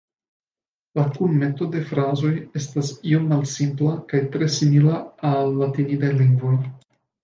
La kunmeto de frazoj estas iom malsimpla kaj tre simila al latinidaj lingvoj.